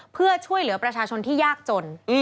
เพื่อช่วยเหลือประชาชนที่ยากจน